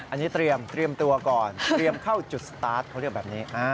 อันนี้เตรียมตัวก่อนเตรียมเข้าจุดสตาร์ทเขาเรียกแบบนี้